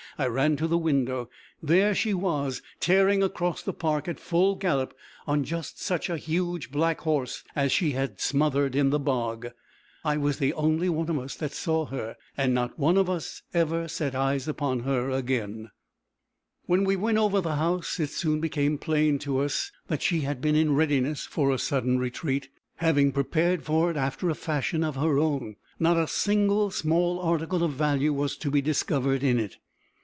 I ran to the window. There she was, tearing across the park at full gallop, on just such a huge black horse as she had smothered in the bog! I was the only one of us that saw her, and not one of us ever set eyes upon her again. When we went over the house, it soon became plain to us that she had been in readiness for a sudden retreat, having prepared for it after a fashion of her own: not a single small article of value was to be discovered in it.